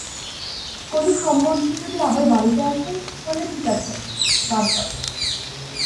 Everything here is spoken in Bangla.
কোনো সম্বন্ধ যদি আবার বাড়িতে আসে, তাহলে ঠিক আছে, বাদ দাও।